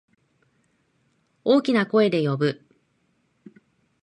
大きな声で呼ぶ。